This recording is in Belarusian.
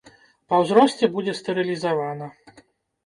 Па ўзросце будзе стэрылізавана.